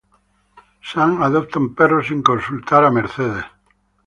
Sam adopta un perro sin consultar a Mercedes.